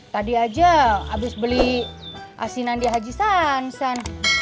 tadi aja habis beli asinan di haji sansan